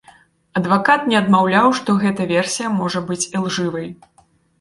Адвакат не адмаўляў, што гэта версія можа быць ілжывай.